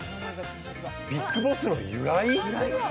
ビッグボスの由来？